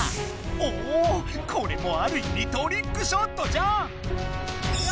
おおこれもあるいみトリックショットじゃん！